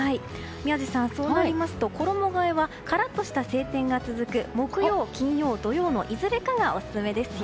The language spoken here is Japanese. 宮司さん、そうなりますと衣替えはカラッとした晴天が続く木曜、金曜、土曜のいずれかがオススメですよ。